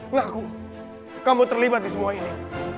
enggakku kamu terlibat di semua ini